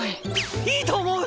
いいと思う！